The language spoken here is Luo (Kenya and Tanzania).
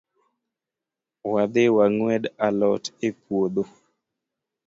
Wadhii wangwed alot e puodho.